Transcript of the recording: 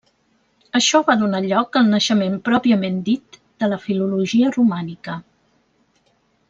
Això va donar lloc al naixement pròpiament dit de la filologia romànica.